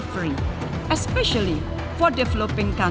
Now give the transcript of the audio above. terutama untuk negara negara pembangunan